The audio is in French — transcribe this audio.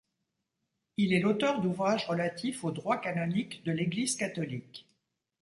Il est l'auteur d'ouvrages relatifs au droit canonique de l'Église catholique.